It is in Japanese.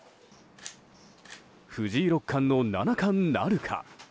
藤井六冠の七冠なるか。